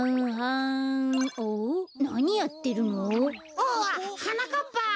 おおっはなかっぱ。